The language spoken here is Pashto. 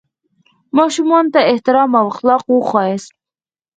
ماشومانو ته احترام او اخلاق وښیاست.